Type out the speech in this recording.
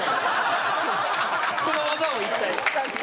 この技をいったい。